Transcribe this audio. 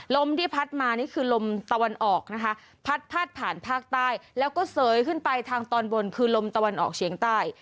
ลมที่พัดมานี่คือลมตะวันออกนะคะพัดผ่านภาคใต้แล้วก็เสยขึ้นไปทางตอนบนคือลมตะวันออกเฉียงใต้